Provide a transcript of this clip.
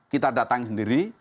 kita datang sendiri